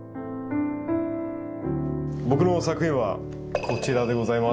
僕の作品はこちらでございます。